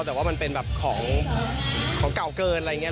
แต่ว่ามันเป็นแบบของเก่าเกินอะไรอย่างนี้